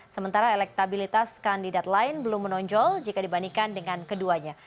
sementara elektabilitas kandidat lain belum menonjol jika dibandingkan dengan keduanya